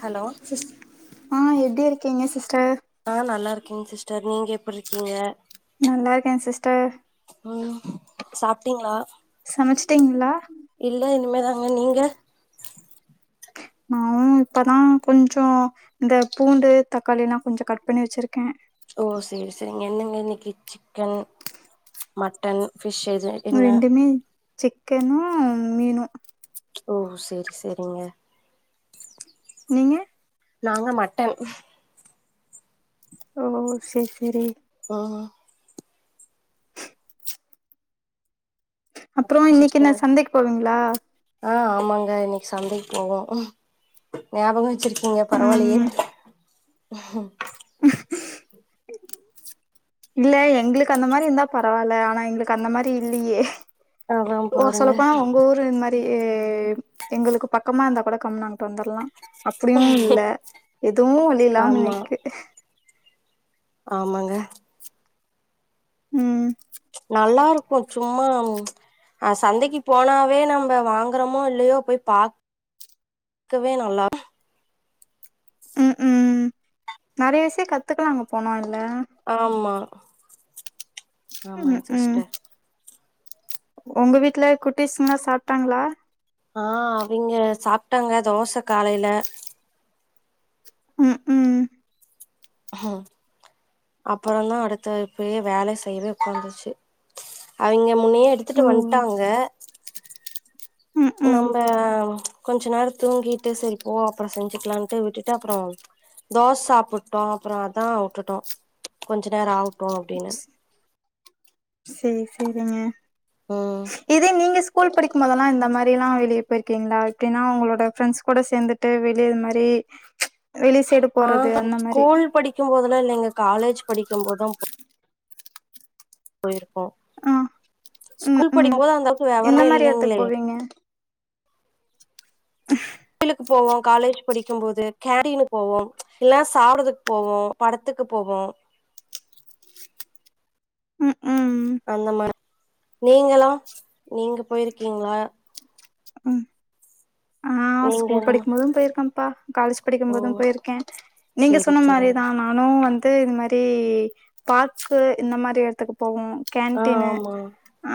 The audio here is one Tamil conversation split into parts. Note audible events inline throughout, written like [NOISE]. ஹலோ சிஸ் ஆ எப்டி இருக்கீங்க சிஸ்டர் ஆ நல்லா இருக்கேங் சிஸ்டர் நீங்க எப்டி இருக்கீங்க நல்லா இருக்கே சிஸ்டர் ம் சாப்ட்டீங்களா சமச்சிட்டீங்ளா இல்ல இனிமேதாங்க நீங்க நானு இப்பதா கொஞ்சோ இந்த பூண்டு தக்காளில்லா கொஞ்சோ கட் பண்ணி வச்சுருக்கே ஓ சேரி சேரிங்க என்னங்க இன்னைக்கு சிக்கன் மட்டன் ஃபிஷ் எது என்ன ரெண்டுமே சிக்கனு மீனு ஓ சேரி சேரிங்க நீங்க நாங்க மட்டன் ஓ சேரி சேரி ஆ அப்பறோ இன்னைக்கி என்னா சிஸ்டர் சந்தைக்கு போவீங்களா ஆ ஆமாங்க இன்னைக்கு சந்தைக்கு போவோ ஞாபகோ வச்சிருக் கிங்க பரவால்லயே ம் இல்ல எங்ளுக்கு அந்த மாரி இருந்தா பரவால்ல ஆனா எங்களுக்கு அந்த மாரி இல்லியே அதா ஓ பாருங்க சொல்லப்போனா உங்க ஊரு இந்த மா ரி எங்களுக்கு பக்கமா இருந்தா கூட கம்முனு அங்கட்டு வந்துர்லா அப்டியு இல்ல எதுவு வழி இல்லாம ஆமா நிக்கு ஆமாங்க ம் நல்லா இருக்கு சும்மா ஆ சந்தைக்கு போனாவே நம்ப வாங்கறமோ இல்லயோ போய் பா க்கவே நல்லா ம் ம் நெறைய விஷ்யோ கத்துக்கலா அங்க போனா இல்ல ஆமா ம் ஆமாங் ம் சிஸ்டர் ஒங்க வீட்ல குட்டிஸ்ங்கனா சாப்ட்டாங்ளா ஆ அவிங்க சாப்ட்டாங்க தோச காலைல ம் ம் ம் அப்பறந்தா அடுத்த இப்பயே வேல செய்யவே உக்காந்துச்சு அவிங்க முன்னையே எடுத்துட்டு ஓ வந்ட்டாங்க ம் ம் நம்ப கொஞ்ச நேரோ தூங்கிட்டு சரி போ அப்பறோ செஞ்சுக்கலாம்ட்டு விட்டுட்டு அப்பறோ தோச சாப்புட்டோ அப்பறோ அதா வுட்டுட்டோ கொஞ்ச நேரோ ஆவுட்டு அப்டின்னு சேரி சேரிங்க ம் இதே நீங்க ஸ்கூல் படிக்கும் போதெல்லா இந்த மாரிலா வெளிய போயிருக்கீங்களா எப்டினா உங்களோட ஃப்ரண்ட்ஸ் கூட சேந்துட்டு வெளிய இது மாரி வெளி சைடு போறது ஆஹ அந்த மாரி ஸ்கூல் படிக்கும்போதுலா இல்லங்க காலேஜ் படிக்கும்போதா போ போய்ருக்கோ ஆ ம் ஸ்கூல் ம் படிக்கும்போது அந்த அளவுக்கு எந்த வெவரமே மாரி எடத்துக்கு இல்லைங்களே போவீங்க கோயிலுக்கு போவோ காலேஜ் படிக்கும் போது கேன்டீனு போவோம் இல்ல சாறதுக்கு போவோ படத்துக்கு போவோ உகும் அந்த மார் நீங்களா நீங்க போயிருக்கீங்களா ம் ஆ நீங்க ஸ்கூல் என்னமா படிக்கும் போதும் போயிருக்கேன்பா காலேஜ் படிக்கும் போதும் ஓ போயிருக்கே நீங்க செரி சொன்ன செரிங்க மாரிதா நா னும் வந்து இது மாரி தாக்ஸு இந்த மாரி எடத்துக்கு போவோ ஆ கேன்டீனு ஆமா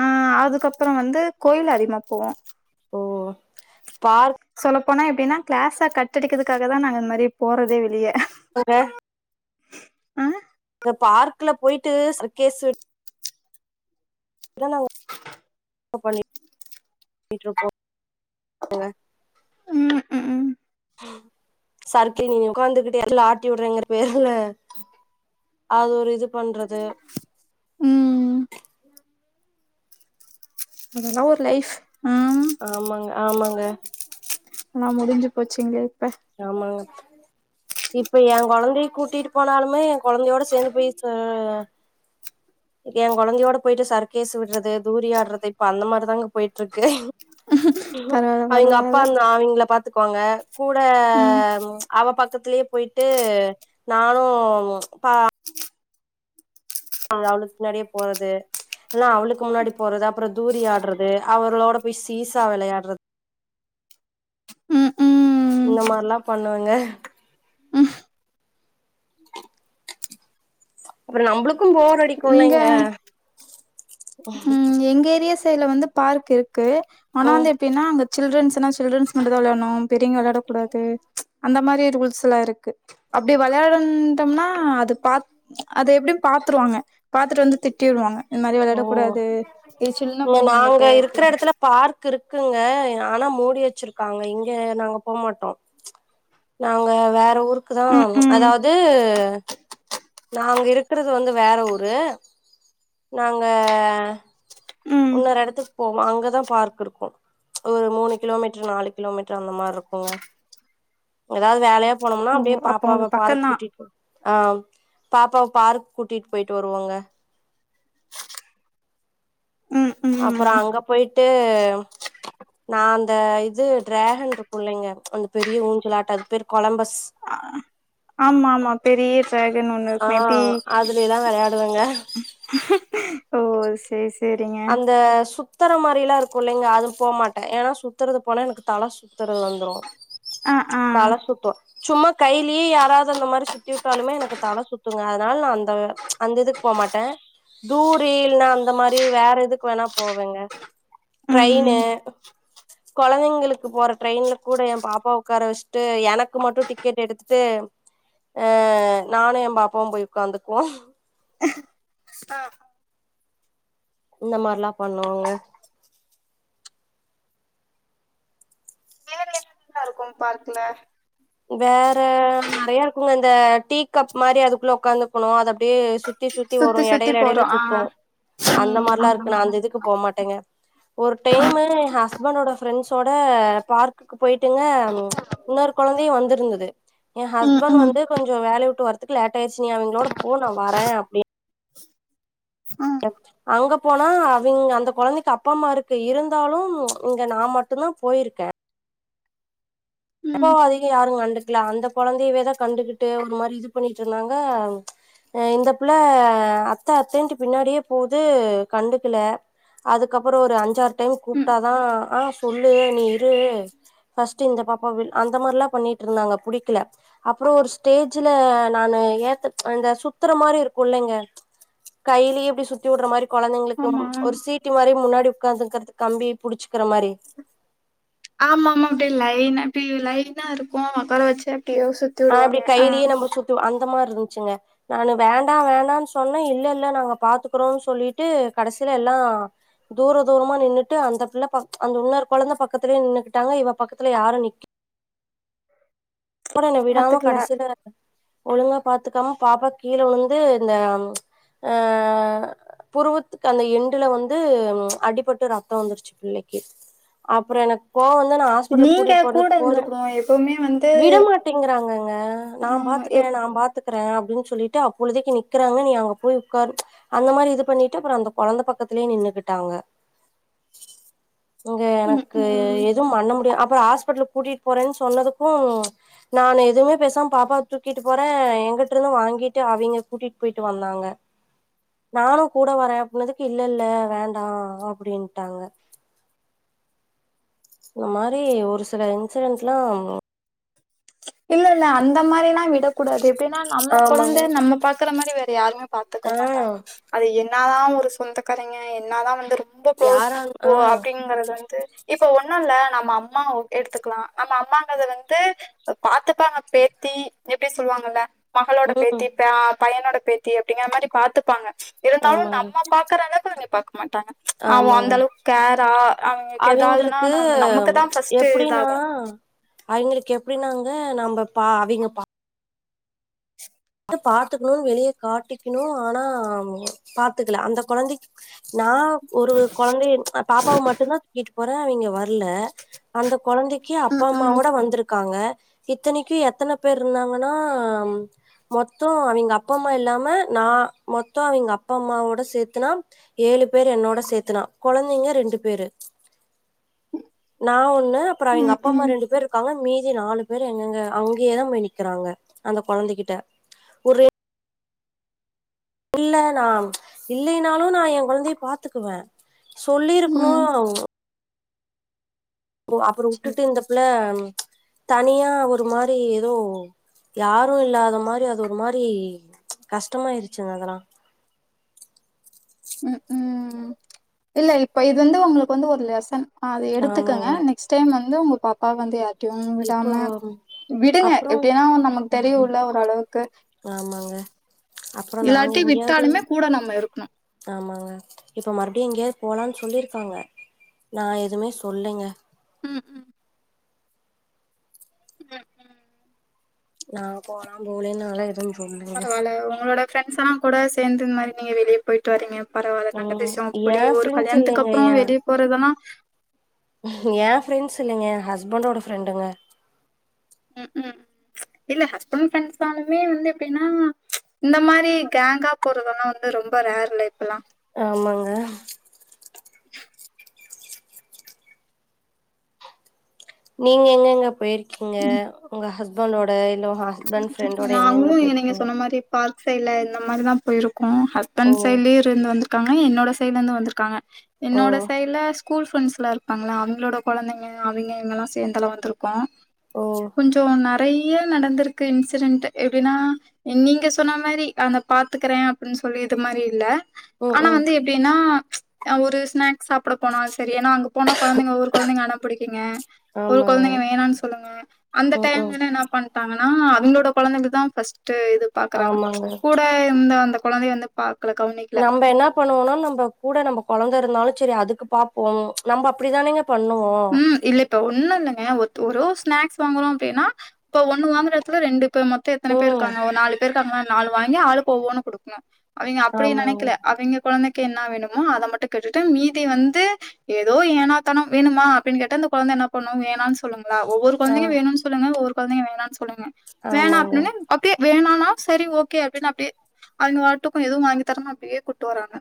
அ அதுக்கப்பறோ வந்து கோயில் அதிகமா போவோ ஓ பார்க் சொல்லப்போனா எப்டின்னா கிளாஸ கட்டடிக்கறதுக்காக தா நாங்க இந்த மாரியே போறதே வெளிய போக ஆ இந்த பார்க்குல போய்ட்டு சர்கேஸ்ஸூ [UNINTELLIGIBLE] ஆப் பண்ணி போயிட்ருப்போ ம் ம் சறுக்கு நீ உக்காந்துகிட்டு ஆக்சுவலா ஆட்டி விடுறேங்ற பேர்ல அது ஒரு இது பண்றது ம் அதெல்லா ஒரு லைஃப் ஆ ஆமாங்க ஆமாங்க ஆனா முடிஞ்சு போச்சீங்களே இப்ப ஆமாங்க இப்ப ஏங்கொழந்தைய கூட்டிட்டு போனாலுமே ஏங்குழந்தையோட சேர்ந்து போய் ச [INAUDIBLE] ஏங்கொழந்தையோட போய்ட்டு சர்கேஸ் விட்றது தூரி ஆட்றது இப்ப அந்த மாரிதாங்க போய்ட்ருக்கு பரவால்ல அவிங்க அப்பா பரவால்ல அந்த அவிங்கள பாத்துக்குவாங்க கூ ட ம் அவ பக்கத்துலேயே போய்ட்டு நானு பா அங்க‌ அவளுக்கு பின்னாடியே போறது ஆனா அவளுக்கு முன்னாடி போறது அப்றோ தூரி ஆட்றது அவர்களோட போய் சீசா விளையாடுற ம் இந்த ம் மாரிலா பண்ணுவங்க அப்றோ நம்பளுக்கும் போர் அடிக்கு இங்க இல்லைங்க ம் எங்க ஏரியா சைடுல வந்து பார்க் இருக்கு ஆனா ம் வந்து எப்டின்னா அங்க சில்ட்ரன்ஸ்னா சில்ட்ரன்ஸ் மட்டு தா விளையாடணு பெரியங்க விளையாட கூடாது அந்த மாரி ரூல்ஸ்ல்லா இருக்கு அப்டி விளையாடட்டோம்னா அது பாத் அத எப்டியு பாத்துருவாங்க பாத்துட்டு வந்து திட்டி விடுவாங்க இந்த மாரி ஓ விளையாடக் கூடாது இது சின்ன இங்க நாங்க கொழந்தைங்களுக்கு இருக்குற அப்டின்னு இடத்துல பார் க்குங்க ஆனா மூடி வச்சிருக்காங்க இங்கே நாங்க போமாட்டோ நாங்க வேற ஊருக்கு தா ம் ம் அதாது நாங்க இருக்கறது வந்து வேற ஊரு நாங்க ம் உன்னொரு இடத்து போவோ அங்கதா பார்க் இருக்கு ஒரு மூணு கிலோமீட்டரு நாலு கிலோமீட்டரு அந்த மாரி இருக்குங்க எதாது வேலையா போனோம்னா ஓ அப்டே அப்ப பாப்பாவ உங்களுக்கு பார்க் பக்கம் தான் கூட்டிட்டு ஆ பாப்பாவ பார்க் கூட்டிட்டு போய்ட்டு வருவோங்க ம் அப்றோ ம் அங்க போய்ட்டு நா அந்த இது டிராகன் இருக்குள்ளைங்க அந்த பெரிய ஊஞ்சல் ஆட்டோ அது பேரு கொலம்பஸ் ஆம்மாம்மா பெரிய டிராகன் ஒண்ணு ஆ இருக்குமே இப்டீ அதுல எல்லா வெளையாடுவேங்க ஓ சேர் அந்த சு த்தற மாரி எல்லா இருக்கு இல்லைங்க அது போமாட்ட ஏனா சுத்துறது போனா எனக்கு தல சுத்துறது வந்துரு ஆ ஆ தல சுத்து சும்மா கையிலியே யாராது அந்த மாரி சுத்தி விட்டாலுமே எனக்கு தல சுத்துங்க அதனால நா அந்த அந்த இதுக்கு போ மாட்டே தூரி இல்லன்னா அந்த மாரி வேற எதுக்கு வேணா போவேங்க ம் ட்ரெயின்னு கொழந்தைங்களுக்கு போற ட்ரெயின்ல கூட ஏ பாப்பாவ உக்கார வச்சிட்டு எனக்கு மட்டு டிக்கெட் எடுத்துட்டு ஆ நானு ஏ பாப்பாவு போய் உக்காந்துக்குவோ ஆ இந்த மாரிலா பண்ணுவோங்க நல்லா இருக்கு பார்க்ல வேற நெறையா இருக்குங்க இந்த டீ கப் மாரி அதுக்குள்ள உக்காந்துக்கணு அது அப்டியே சுத் சுத்தி சுத்தி வரு சுத்தி எடேல போறோ எடேல ஆ சுத்து அந்த மாரிலா இருக்கு நா அந்த இதுக்கு போ மாட்டேங்க ஒரு டைமு ஏ ஹஸ்பண்டோட ஃப்ரெண்ட்ஸோட பார்க் போயிட்டுங்க இன்னொரு கொழந்தையு வந்துருந்துது ஏ ம் ம் ஹஸ்பண்ட் ம் வந்து கொஞ்சோ வேலைய உட்டு வர்ற க்கு லேட்டாயிருச்சி நீ அவிங்களோட போ நா வரே அப்டின் ஆ டச்சு அங்க போனா அவிங் அந்த கொழந்தைக்கு அப்பா அம்மா இருக்கு இருந்தாலு இங்க நா மட்டு தா போயிருக்க அப்போ ம் அதிகோ யாரு கண்டுக்கல அந்த கொழந்தையவேதா கண்டுகிட்டு ஒரு மாரி இது பண்ணிட்டு இருந்தாங்க இந்த பிள்ள அத்த அத்தன்ட்டு பின்னாடியே போகுது கண்டுக்கல அதுக்கப்பறோ ஒரு அஞ்சாறு டைம் ம் கூப்டாதா ஆ சொல்லு நீ இரு ஃபர்ஸ்ட்டு இந்த பாப்பாவில் அந்த மாரிலா பண்ணிட்டு இருந்தாங்க புடிக்கல அப்றோ ஒரு ஸ்டேஜ்ல நானு ஏத்த இந்த சுத்துற மாரி இருக்கு இல்லைங்க கையிலயே இப்டி சுத்தி வுடுற மாரி கொழந்தைங்களுக்கு ஆமா ஒரு சீட் குட்டி மாரி முன்னாடி உக்காந்துங்கறது கம்பி புடிச்சுகுற மாரி ஆமாமா அப்டி லைன்னா அப்டி லைனா இருக்கு ஒக்கார வெச்சு அப்டியே சுத் ஆ அப்டி கைலியே நம்ம சுத்துவோ அந்த மாரி இருந்துச்சுங்க நானு வேண்டா வேண்டான்னு சொன்னே இல்ல இல்ல நாங்க பாத்துக்குறோன்னு சொல்லிட்டு கடசில எல்லா தூர தூரமா நின்னுட்டு அந்த பிள்ள பக் அந்த இன்னொரு கொழந்த பக்கத்துலயே நின்னுகிட்டாங்க இவ பக்கத்துல யாரு நிக்க அப்பறோ என்ன விடாம பாத்துக்கல கடைசில ஒழுங்கா பாத்துக்காம பாப்பா கீழ விழுந்து இந்த ஆ புருவத்துக்கு அந்த எண்டுல வந்து அடிப்பட்டு ரத்தோ வந்துருச்சி பிள்ளைக்கி அப்பறோ எனக்கு கோவோ நீங்க கூட்டிட்டு கூட போறதுக்கு போறே இருந்துருக்கணு எப்பவுமே வந் விடமாட்டேங்கிறாங்கங்க நா ம் பாத்துக்குறே எப் நா பாத் த்துக்கிறே அப்டின்னு சொல்லிட்டு அப்பொழுதைக்கு நிக்கிறாங்க நீ அங்க போய் உக்காரு அந்த மாரி இது பண்ணிட்டு அப்பறோ அந்த கொழந்த பக்கத்துலயே நின்னுக்கிட்டாங்க இங்க ம் எனக்கு ம் எதுவும் மண்ண முடியு அப்பறோ ஹாஸ்பிடலுக்கு கூட்டிட்டு போறேன்னு சொன்னதுக்கு ம்ச் நான்னு எதுவுமே பேசாம பாப்பா தூக்கிட்டு போறே எங்கிட்ருந்து வாங்கிட்டு அவங்க கூட்டிட்டு போயிட்டு வந்தாங்க நானு கூட வரே அப்பனதுக்கு இல்ல இல்ல வேண்டா அப்டின்ட்டாங்க இந்த மாரி ஒரு சில இன்சிடென்ஸ்லாம் இல்லல்ல அந்த மாரில்லா விட கூடாது எப்டினா நம்ம கொழந்த ஆமாங்க நம்ம பாக்கற மாரி வேற யாருமே பாத்துக்க ஆ மாட்டாங்க அது என்னதா ஒரு சொந்தக்காரைங்க என்னதா வந்து ரொம்ப குளோஸ் யாரா ஓ ஆ அப்டிங்கறது வந்து இப்ப ஒண்ணுல்ல நம்ம அம்மா எடுத்துக்கலா நம்ம அம்மாங்கறது வந்து பாத்துப்பாங்க பேத்தி எப்டி சொல்லுவாங்கல்ல மகளோட ம் பேத்தி ப பையனோட பே த்தி அப்டிங்கிற மாரி பாத்துப்பாங்க இருந்தாலு ஆமாங்க நம்ம பாக்குற அளவுக்கு அவுங்க பாக்க மாட்டாங்க அவன் ஆமாங்க அந்த அளவுக்கு கேரா அவுங்களுக்கு எதாவுதுனா அவிங்களுக்கு நம்ம நமக்குதா ஃபர்ஸ்ட் எப்டின்னா இதாகு அவிங்களுக்கு எப்டினாங்க நம்ம பா அவிங்க பாத்துக்கணுனு வெளிய காட்டிக்கணு ஆனா பாத்துக்கல அந்த கொழந்தைக்கு நா ஒரு கொழந்தைய பாப்பாவ மட்டுந்தா தூக்கிட்டு போற அவிங்க வ ல்ல அந்த கொழந்தைக்கு அப்பா ம், அம்மா ம். வோட வந்துரு க்காங்க இத்னைக்கு எத்தன பேர் இருந்தாங்கன்னா மொத்தோ அவிங்க அப்பா, அம்மா இல்லாம நா மொத்தோ அவிங்க அப்பா, அம்மாவோட சேத்துனா ஏழு பேரு என்னோட சேத்துனா கொழந்தைங்க ரெண்டு பேரு நா ஒண்ணு அப்றோ அவிங்க ம், அப்பா, அம்மா ம். ரெண்டு பேரு காங்க மீதி நாலு பேர் எங்கங்க அங்கேயே தா போய் நிக்கறாங்க அந்த கொழந்தகிட்ட ஒரே இல்ல நா இல்லைனாலு நா எ கொழந்தைய பாத்துக்குவ சொல்லிருக்கணு ம். ஓ அப்பறோ வுட்டுட்டு இந்தப்புள்ள தனியா ஒரு மாரி ஏதோ யாரு இல்லாத மாரி அது ஒரு மாரி கஷ்டமாயிருச்சிங்க அதெல்லா ம் ம் இல்ல இப்ப இது வந்து ஒங்களுக்கு வந்து ஒரு லெசன் அத எடுத்துக்கங்க ஆமாங்க நெக்ஸ் டைம் வந்து உங்க பாப்பாவ வந்து யார்ட்டையு இப்போ விடாம விடுங்க அப்புறோ எப்டின்னா நமக்கு தெரியுல்ல ஓரளவுக்கு ஆமாங்க அப்புறோ நாங்க இல்லாட்டி எங்கேயாவது வித்தாலுமே கூட நம்ம இருக்கணு ஆமாங்க இப்ப மறுபடியு எங்கேயாவது போலான்னு சொல்லிருக்காங்க நா எதுமே சொல்லைங்க ம் ம் நா போனா மூனே நாள்ல எது பரவால உங்களோட ஃப்ரெண்ட்ஸல்லா கூட சேந்து இந் மாரி நீங்க வெளிய போய்ட்டு வரீங்க பரவால்ல நல்ல ம் விஷ்ஷோ ஏ அப்டி ஒரு ஃப்ரெண்ட்ஸ் கல்யாணத்துக்கு இல்லைங்க அப்றோ ஏ வெளிய போறதெல்லா ஏ ஃப்ரெண்ட்ஸ் இல்லைங்க ஹஸ்பண்டோட ஃப்ரெண்டுங்க ம் ம் இல்ல ஹஸ்பண்ட் ஃப்ரெண்ட்ஸ் நாளுமே வந்து எப்டின்னா இந்த மாரி கேங்கா போறதெல்லா வந்து ரொம்ப ரேர்ல இப்பெல்லா ஆமாங்க நீங்க எங்கங்க போயிர்க்கீங்க உங்க ஹஸ்பண்டோட இல்ல உங்க ஹஸ் பண்ட் ஃப்ரெண்டோட எங்கங்க நாங்களு நீங்க போயிர்க்கீங்க சொன்ன மாரி பார்க் சைடுல இந்தமாரி தா போயிருக்கோ ஓ ஹஸ்பண்ட் சைடுலயூ இருந்து வந்துருக்காங்க என்னோட சைடலருந்து வந்துருக்காங்க ஓ என்னோட சைடுல ஸ்கூல் ஃப்ரெண்ட்ஸ்ல்லா இருப்பாங்கள அவீங்களோட கொழந்தைங்க அவீங்க இவீங்கெல்லா சேந்தெல்லா வந்திருக்கோ ஓ கொஞ்சோ நறைய நடந்து இருக்கு இன்சிடென்ட்டு எப்டினா நீங்க சொன்ன மாரி அவன பாத்துக்றே அப்டி சொல்லி இது மாரி இல்ல ம் ஆனா ம் வந்து எப்டினா ஒரு ஸ்நாக் சாப்ட போனா செரி ஏனா அங்க போன கொழந்தைங்க ஒரு கொழந்தைங்க அட பிடிக்கியுங்க ஒரு ஆமாங்க கொழந்தைங்க வேணானு சொல்லுங்க அந்த ம் ம் டைம்ல என்ன பண் தாங்கென்னா அவீங்களோட கொழந்தைக தா ஃபஸ்ட் இது பாக்குறாங்க ஆமாங்க கூட இந்த அந்த கொழந்தை வந்து பாக்கல கவுனிக் நம்ப என்ன பண்ணுவோனா நம்ப கூட நம்ப கொழந்த இருந்தாலு செரி அதுக்கு பாப்போ நம்ப அப்டிதானேங்க பண்ணுவோ ம். இல்ல இப்ப ஒண்ணு இல்லங்க ஒ ஒரு ஸ்நாக்ஸ் வாங்குரோ அப்டினா ப்ப ஒண்ணு வாங்குற எடத்துல ரெண்டு ப்ப மொ த்த எத்தன பேரு ம் இருக்காங்க ஒரு நாலு பேர் இருக்காங்க நாலூ வாங்கி ஆளுக்கு ஒவ்வொன்னு குடுக்ணு அவீங்க அப்டி ஆமாங்க நெனைக்கல அவீங்க கொழந்தைக்கு என்ணா வேணுமொ அத மட்டு கேட்டுட்டு மீதி வந்து ஏதோ ஏனாத்தானோ வேணுமா அப்டினு கேட்டா அந்த கொழந்த என்ன பண்ணு வேணா சொல்லங்களா ஒவ்வொரு ஆ கொழந்தைங்க வேணு சொல்லுங்க ஒவ்வொறு கொழந்தைங்க வேணானு சொல்லுங்க வேணா ஆமாங்க அப்டினோனே அப்டியே வேணானா செரி ஓகே அப்டினு அப்டியே அவீங்க வாட்டுக்கு எதுவு வாங்கி தரமான அப்டியே கூட்டு வராங்க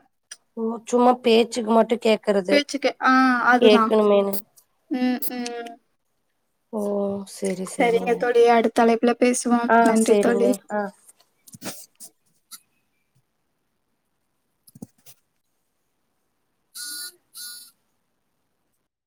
உம் சும்மா பேச்க்கு மட்டு கேட் பேச்சுக்ககே ஆ அதுதா உம் உம் ஓ செரி செரி தலைப்பில பேசுவோ நன்றி தொழி ஆ